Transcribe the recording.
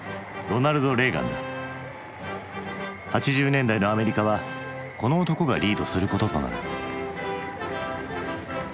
８０年代のアメリカはこの男がリードすることとなる。